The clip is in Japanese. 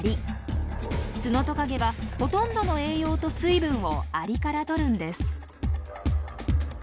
ツノトカゲはほとんどの栄養と水分をアリからとるんです。